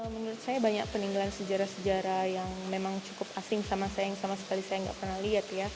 menurut saya banyak peninggalan sejarah sejarah yang memang cukup asing sama saya yang sama sekali saya nggak pernah lihat ya